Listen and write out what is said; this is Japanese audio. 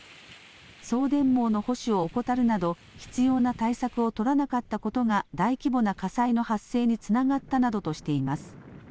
送電網の保守を怠るなど必要な対策を取らなかったことが大規模な火災の発生につながったなどとしています。